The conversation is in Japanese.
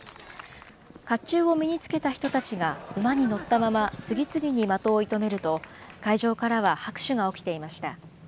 かっちゅうを身に着けた人たちが馬に乗ったまま、次々に的を射止めると、会場からは拍手が起きていました。